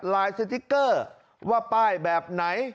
สติ๊กเกอร์ว่าป้ายแบบไหน